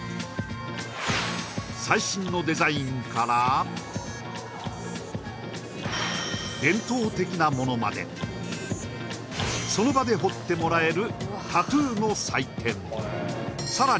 最新のデザインから伝統的なものまでその場で彫ってもらえる